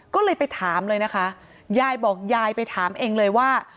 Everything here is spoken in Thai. ก็เลยไปถามเลยนะคะยายบอกยายไปถามเองเลยว่า